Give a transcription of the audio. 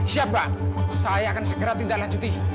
siap pak saya akan segera tidak lanjuti